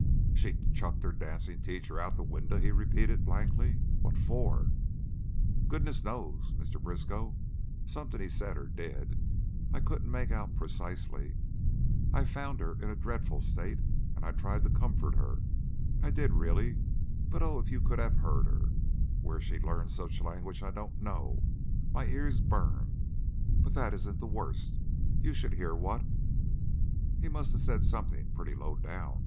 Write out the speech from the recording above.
"She chucked the dancin' teacher out of a winder?" he repeated, blankly. "What for?" "Goodness knows, Mr. Briskow! Something he said, or did I couldn't make out precisely. I found her in a dreadful state, and I tried to comfort her, I did really, but oh! If you could have heard her! Where she learned such language I don't know. My ears burn! But that isn't the worst; you should hear what " "He must of said something pretty low down."